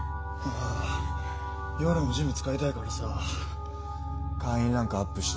ああ夜もジム使いたいからさぁ会員ランクアップした。